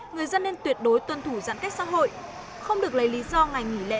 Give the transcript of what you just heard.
người dân nên tuyệt đối tuân thủ giãn cách xã hội